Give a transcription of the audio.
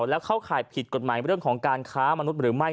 แล้วเข้าข่ายผิดกฎหมายเรื่องของการค้ามนุษย์หรือไม่